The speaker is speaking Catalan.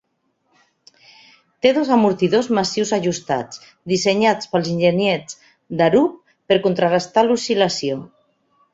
Té dos amortidors massius ajustats, dissenyats pels enginyers d'Arup per contrarestar l'oscil·lació.